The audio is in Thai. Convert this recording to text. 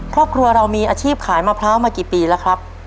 ครอบครัวเรามีอาชีพขายมะพร้าวมากี่ปีแล้วครับ